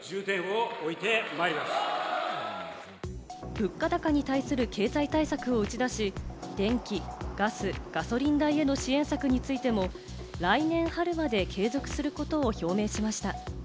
物価高に対する経済対策を打ち出し、電気、ガス、ガソリン代への支援策についても、来年春まで継続することを表明しました。